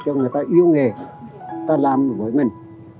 cho người ta yêu nghề ta làm với mình